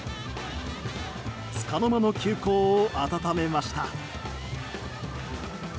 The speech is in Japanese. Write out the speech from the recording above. つかの間の旧交を温めました。